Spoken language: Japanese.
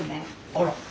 あら。